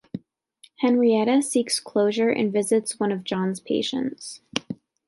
Henrietta seeks closure and visits one of John's patients.